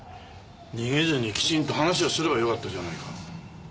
逃げずにきちんと話をすればよかったじゃないか。